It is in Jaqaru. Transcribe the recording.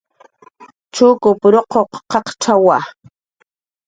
Chukup ruquq qaqcxawkiwa